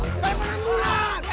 cien bangu cien